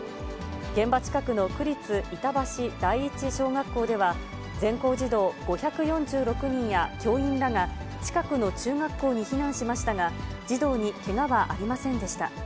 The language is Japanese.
現場近くの区立板橋第一小学校では、全校児童５４６人や教員らが近くの中学校に避難しましたが、児童にけがはありませんでした。